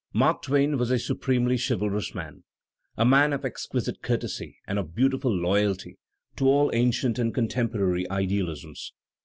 Mark Twain was a supremely chivalrous man, a man of exquisite courtesy and of beautiful loyalty to aU ancient and contemporary ideal isms.